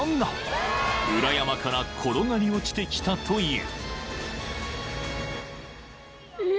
［裏山から転がり落ちてきたという］